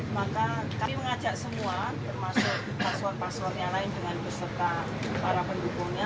maka kami mengajak semua termasuk paswar paswarnya lain dengan beserta para pendukungnya